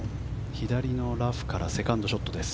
左のラフからセカンドショット。